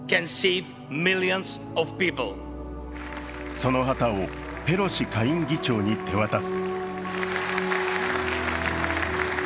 その旗をペロシ下院議長に手渡す。